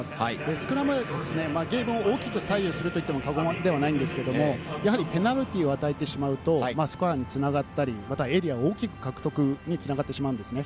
スクラムは、ゲームを大きく左右すると言っても過言ではないんですが、ペナルティーを与えてしまうとスコアに繋がったり、エリアを大きく獲得されることに繋がってしまうんですね。